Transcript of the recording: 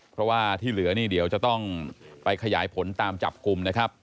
เพราะว่าที่เหลือนี่เดี๋ยวจะต้องไปขยายผลตามจับกลุ่มนะครับ